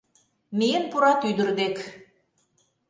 Миен пурат ӱдыр дек